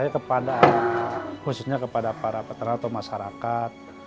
saya kepada khususnya kepada para peternak atau masyarakat